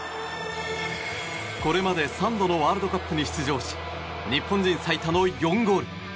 これまで３度のワールドカップに出場し日本人最多の４ゴール！